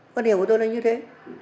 con hiểu của tôi là như thế